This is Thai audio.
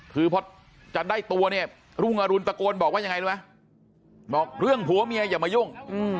คือพอจะได้ตัวเนี่ยรุ่งอรุณตะโกนบอกว่ายังไงรู้ไหมบอกเรื่องผัวเมียอย่ามายุ่ง